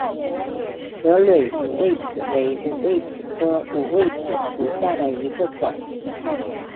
合蕊五味子为五味子科五味子属下的一个种。